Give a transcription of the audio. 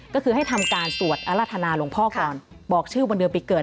ก็คือให้ทำการสวดอรรถนาหลวงพ่อก่อนบอกชื่อวันเดือนปีเกิด